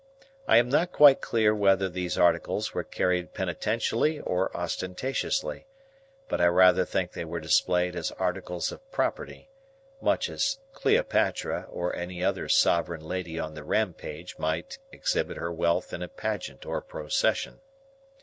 I am not quite clear whether these articles were carried penitentially or ostentatiously; but I rather think they were displayed as articles of property,—much as Cleopatra or any other sovereign lady on the Rampage might exhibit her wealth in a pageant or procession.